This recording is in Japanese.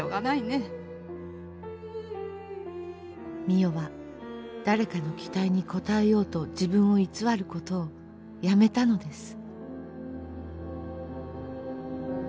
美世は誰かの期待に応えようと自分を偽ることをやめたのです。